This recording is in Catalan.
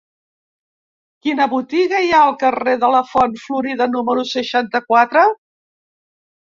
Quina botiga hi ha al carrer de la Font Florida número seixanta-quatre?